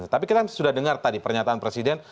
tapi kita sudah dengar tadi pernyataan presiden